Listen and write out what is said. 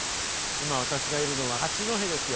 今、私がいるのは八戸ですよ。